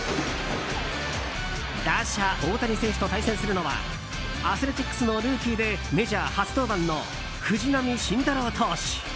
打者・大谷選手と対戦するのはアスレチックスのルーキーでメジャー初登板の藤浪晋太郎投手。